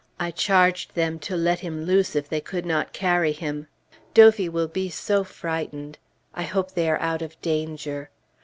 I charged them to let him loose if they could not carry him. Dophy will be so frightened. I hope they are out of danger.